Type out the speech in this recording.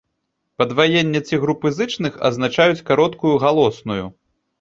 Падваенні ці групы зычных азначаюць кароткую галосную.